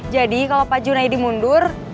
jadi kalau pak junedi mundur